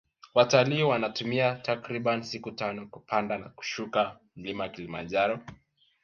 watalii wanatumia takribani siku tano kupanda na kushuka mlima kilimanjaro